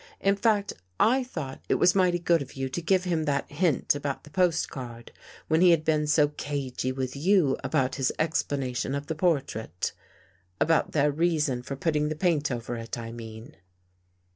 In fact I thought it was mighty good of you to give him that hint about the postcard when he had been so cagey with you about his ex planation of the portrait — about their reason for putting the paint over it, I mean."